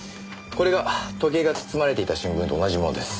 これが時計が包まれていた新聞と同じものです。